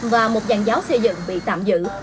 và một dạng giáo xây dựng bị tạm giữ